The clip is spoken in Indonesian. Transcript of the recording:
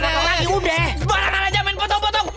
udah dipotong lagi udah barang ala jaman potong potong